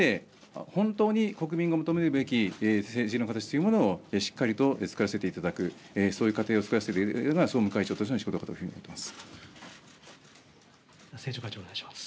その上で本当に国民が求めるべき政治の形というものをしっかりとつくらせていただく、そういう過程をつくらせていただけるような総務会長としての仕事をしていきたいと思っています。